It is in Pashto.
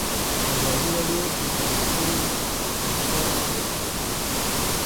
ازادي راډیو د ترانسپورټ د پراختیا اړتیاوې تشریح کړي.